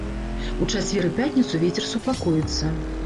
У чацвер і пятніцу вецер супакоіцца.